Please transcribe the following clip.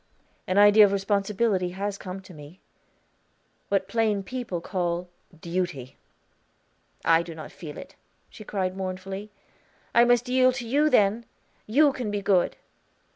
"An idea of responsibility has come to me what plain people call Duty." "I do not feel it," she cried mournfully. "I must yield to you then. You can be good.'